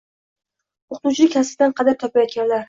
O‘qituvchilik kasbidan qadr topayotganlar